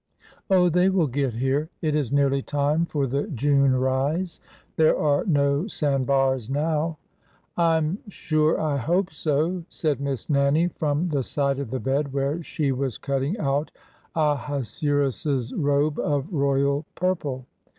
" Oh, they will get here. It is nearly time for the June rise. There are no sand bars now." I 'm sure I hope so," said Miss Nannie from the side of the bed, where she was cutting out Ahasueruss robe of royal purple.